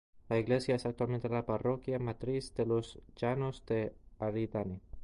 La iglesia es actualmente la parroquia matriz de Los Llanos de Aridane.